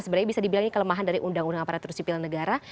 sebenarnya bisa dibilang ini kelemahan dari undang undang aparatur sipil negara